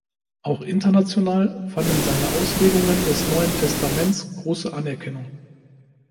Auch international fanden seine Auslegungen des Neuen Testaments große Anerkennung.